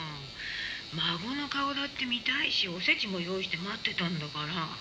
「孫の顔だって見たいしおせちも用意して待ってたんだから」